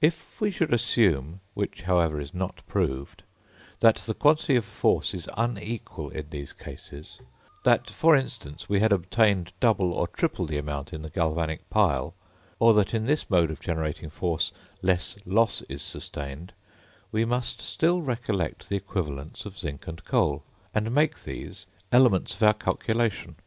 If we should assume, (which, however, is not proved,) that the quantity of force is unequal in these cases, that, for instance, we had obtained double or triple the amount in the galvanic pile, or that in this mode of generating force less loss is sustained, we must still recollect the equivalents of zinc and coal, and make these elements of our calculation.